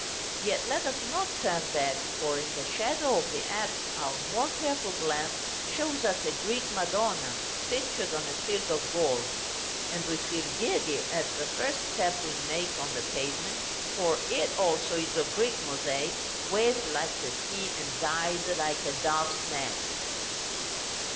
Yet let us not turn back, for in the shadow of the apse our more careful glance shows us a Greek Madonna, pictured on a field of gold; and we feel giddy at the first step we make on the pavement, for it, also, is of Greek mosaic waved like the sea, and dyed like a dove's neck.